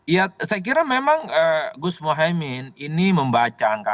ya saya kira memang gus mohaimin ini membaca angka